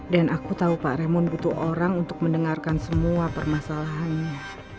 dan aku tau pak raymond butuh orang untuk mendengarkan semua permasalahannya